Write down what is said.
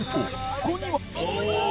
そこには。